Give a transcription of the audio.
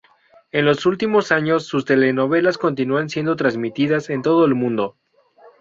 En los últimos años, sus telenovelas continúan siendo transmitidas en todo el mundo.